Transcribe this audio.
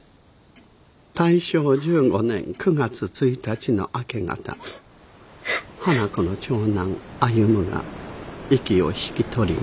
大正１５年９月１日の明け方花子の長男歩が息を引き取りました。